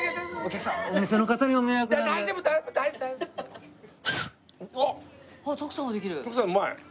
徳さんうまい。